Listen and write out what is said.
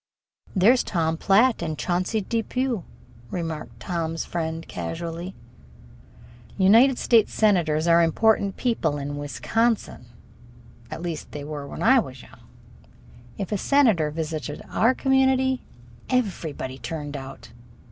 "There's Tom Platt and Chauncey Depew," remarked Tom's friend casually. United States senators are important people in Wisconsin at least, they were when I was young. If a senator visited our community, everybody turned out.